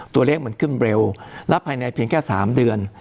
ตัวเลขมันขึ้นเร็วและภายในเพียงแค่๓เดือน